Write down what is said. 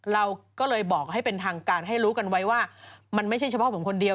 เราก็เลยบอกให้เป็นทางการให้รู้กันไว้ว่ามันไม่ใช่เฉพาะผมคนเดียว